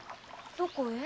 どこへ？